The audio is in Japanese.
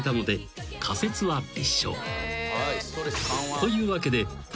というわけで］